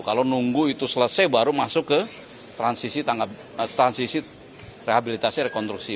kalau nunggu itu selesai baru masuk ke transisi rehabilitasi rekonstruksi